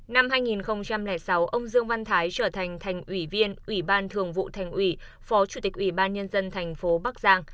năm hai nghìn sáu ông dương văn thái trở thành thành ủy viên ủy ban thường vụ thành ủy phó chủ tịch ủy ban nhân dân thành phố bắc giang